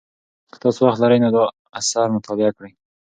که تاسو وخت لرئ نو دا اثر مطالعه کړئ.